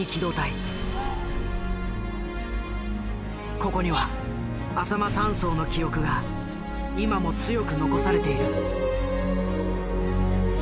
ここにはあさま山荘の記憶が今も強く残されている。